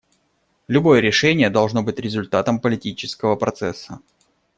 Любое решение должно быть результатом политического процесса.